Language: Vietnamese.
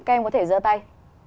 các em có thể giơ tay